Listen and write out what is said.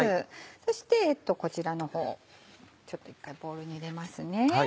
そしてこちらの方ちょっと１回ボウルに入れます。